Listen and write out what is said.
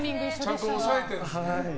ちゃんと押さえてるんですね。